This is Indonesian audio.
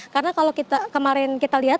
karena kalau kemarin kita lihat